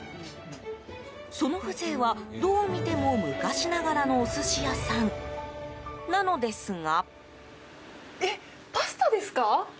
その風情は、どう見ても昔ながらのお寿司屋さんなのですが。